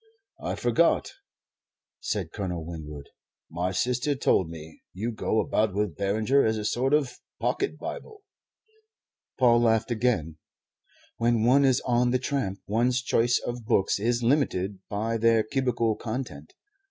"I forgot," said Colonel Winwood. "My sister told me. You go about with Beranger as a sort of pocket Bible." Paul laughed again. "When one is on the tramp one's choice of books is limited by their cubical content.